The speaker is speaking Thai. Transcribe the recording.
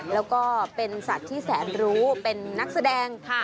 แล้วก็เป็นสัตว์ที่แสนรู้เป็นนักแสดง